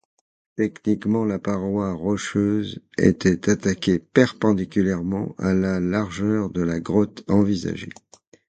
Techniquement, la paroi rocheuse était attaquée perpendiculairement à la largeur de la grotte envisagée.